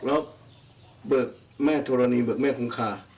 แล้วเบิกแม่ธรณีเบิกแม่คงคา